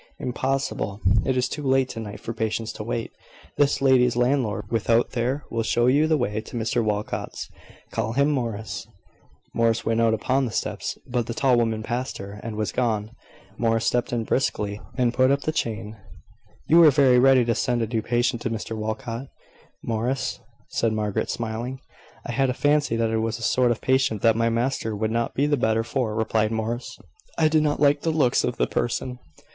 "Impossible. It is too late to night for patients to wait. This lady's landlord, without there, will show you the way to Mr Walcot's. Call him, Morris." Morris went out upon the steps, but the tall woman passed her, and was gone. Morris stepped in briskly, and put up the chain. "You were very ready to send a new patient to Mr Walcot, Morris," said Margaret, smiling. "I had a fancy that it was a sort of patient that my master would not be the better for," replied Morris. "I did not like the looks of the person."